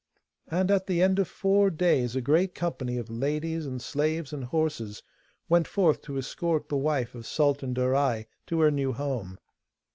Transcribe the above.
And at the end of four days a great company of ladies and slaves and horses went forth to escort the wife of Sultan Darai to her new home.